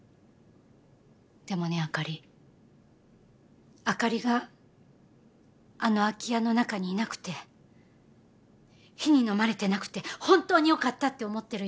でもね朱莉朱莉があの空き家の中にいなくて火にのまれてなくて本当によかったって思ってるよ。